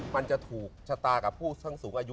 มันจะถูกชะตากับผู้ซึ่งสูงอายุ